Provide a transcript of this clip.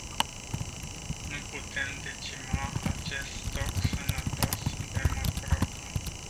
Nu putem decima acest stoc sănătos de macrou.